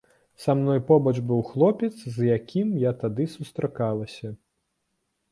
Са мной побач быў хлопец, з якім я тады сустракалася.